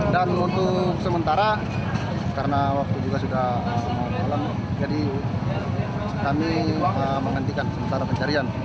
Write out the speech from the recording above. dan untuk sementara karena waktu juga sudah dalam jadi kami menghentikan sementara pencarian